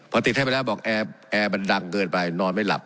พอติดให้ไปแล้วบอกแอร์มันดังเกินไปนอนไม่หลับ